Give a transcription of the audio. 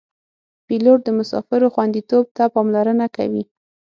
پیلوټ د مسافرو خوندیتوب ته پاملرنه کوي.